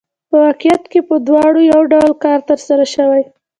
په واقعیت کې په دواړو یو ډول کار ترسره شوی